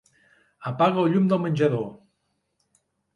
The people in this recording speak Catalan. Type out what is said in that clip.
Apaga el llum del menjador.